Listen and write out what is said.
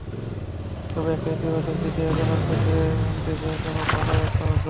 তবে একটা ইতিবাচক দিকে এগোনোর ক্ষেত্রে দেশে এখনো ভালো অবস্থা আছে।